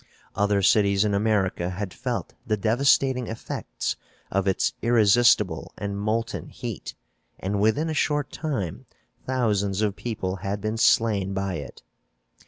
Other cities in America had felt the devastating effects of its irresistible and molten heat and, within a short time, thousands of people had been slain by it.